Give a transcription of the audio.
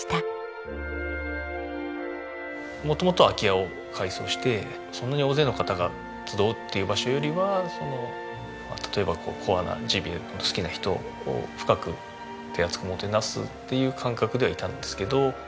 元々は空き家を改装してそんなに大勢の方が集うっていう場所よりは例えばコアなジビエの好きな人を深く手厚くもてなすっていう感覚ではいたんですけど。